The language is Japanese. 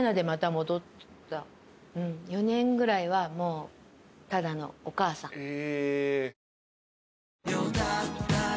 ４年ぐらいはもうただのお母さん。